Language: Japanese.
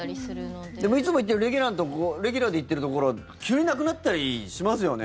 でも、いつも行っているレギュラーで行っているところ急になくなったりしますよね。